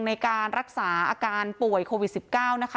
ในการรักษาอาการป่วยโควิด๑๙นะคะ